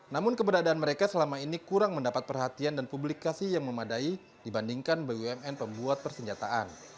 namun keberadaan mereka selama ini kurang mendapat perhatian dan publikasi yang memadai dibandingkan bumn pembuat persenjataan